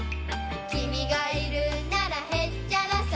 「君がいるならへっちゃらさ」